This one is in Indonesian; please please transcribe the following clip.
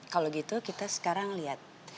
kalau gitu kita sekarang lihat